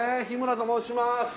日村と申します